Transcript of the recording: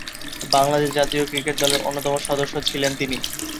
বাংলাদেশ জাতীয় ক্রিকেট দলের অন্যতম সদস্য ছিলেন তিনি।